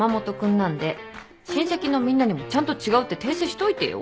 親戚のみんなにもちゃんと違うって訂正しといてよ。